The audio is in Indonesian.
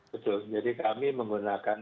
betul jadi kami menggunakan